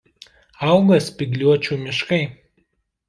Auga spygliuočių miškai.